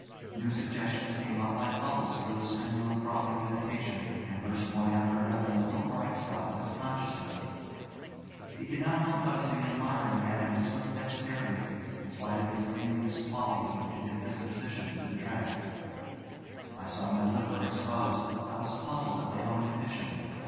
New suggestions came up like bubbles through a stream of frothing meditation, and burst one after another in the little bright spot of his consciousness. He could not help noticing and admiring Haddon's swift dexterity, in spite of his envious quality and his disposition to detract. I saw my liver exposed. I was puzzled at my own condition.